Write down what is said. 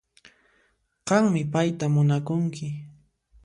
Qanmi payta munakunki